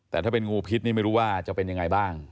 แต่ถ้าเป็นงูพิษนี่ไม่รู้ว่าจะเป็นยังไงบ้าง